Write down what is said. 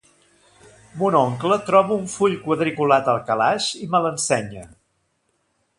Mon oncle troba un full quadriculat al calaix i me l'ensenya.